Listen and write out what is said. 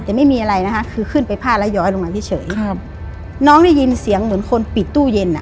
แต่ไม่มีอะไรนะคะคือขึ้นไปผ้าแล้วย้อยลงมาเฉยครับน้องได้ยินเสียงเหมือนคนปิดตู้เย็นอ่ะ